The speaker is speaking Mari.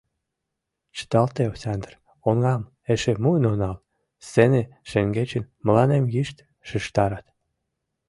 — Чыталте, Осяндр, оҥам эше муын онал! — сцене шеҥгечын мыланем йышт шижтарат.